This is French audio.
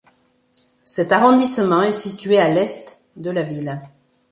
Cet arrondissement est situé à l'Est de la ville.